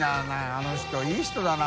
あの人いい人だな。